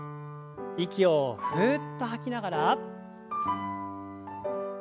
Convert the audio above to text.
息をふっと吐きながら。